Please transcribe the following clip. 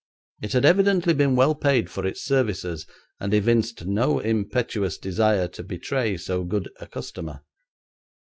It had evidently been well paid for its services, and evinced no impetuous desire to betray so good a customer.